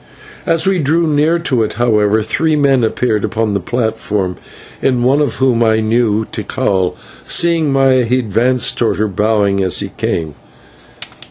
As we drew near to it, however, three men appeared upon the platform, in one of whom I knew Tikal. Seeing Maya he advanced toward her, bowing as he came.